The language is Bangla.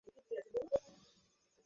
আরে পাইলসের সমস্যা ঠিক হয়েছে কিনা?